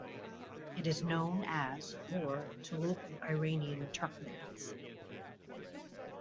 It is known as or to local Iranian Turkmens.